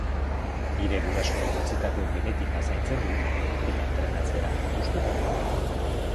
Nire gurasoek utzitako genetika zaintzen dut eta entrenatzea gustuko dut.